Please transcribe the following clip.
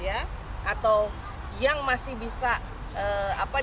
atau yang masih bisa apa